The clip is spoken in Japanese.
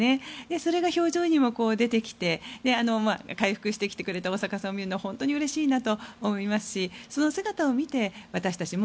それが表情にも出てきて回復してきてくれた大坂さんを見るのは本当にうれしいなと思いますしその姿を見て私たちも